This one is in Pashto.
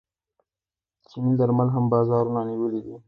چیني درمل هم بازارونه نیولي دي.